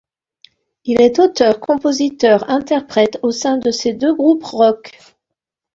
Il est auteur-compositeur-interprète au sein de ses deux groupes rock.